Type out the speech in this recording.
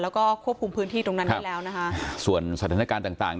แล้วก็ควบคุมพื้นที่ตรงนั้นได้แล้วนะคะส่วนสถานการณ์ต่างต่าง